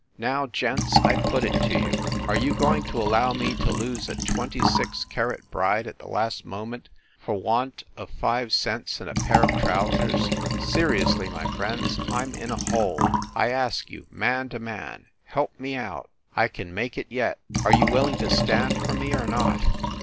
Now, gents, I put it to you ! Are you going to al low me to lose a twenty six carat bride at the last moment for want of five cents and a pair of trousers? Seriously, my friends, I m in a hole. I ask you, man to man, help me out! I can make it yet. Are you willing to stand for me or not?